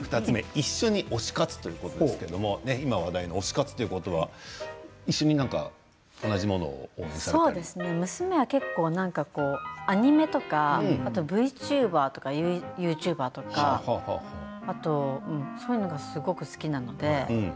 一緒に推し活ということですけれど今、話題の推し活ということは一緒に何か同じものを娘は結構アニメとかＶＴｕｂｅｒとかＹｏｕＴｕｂｅｒとかそういうのがすごく好きなので。